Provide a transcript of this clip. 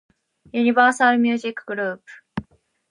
Universal Music Group.